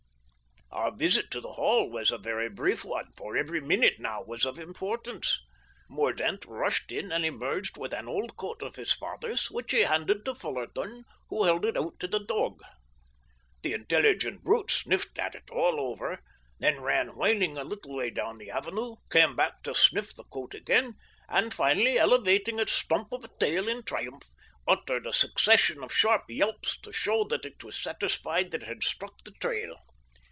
Our visit to the Hall was a very brief one, for every minute now was of importance. Mordaunt rushed in and emerged with an old coat of his father's, which he handed to Fullarton, who held it out to the dog. The intelligent brute sniffed at it all over, then ran whining a little way down the avenue, came back to sniff the coat again, and finally elevating its stump of a tail in triumph, uttered a succession of sharp yelps to show that it was satisfied that it had struck the trail.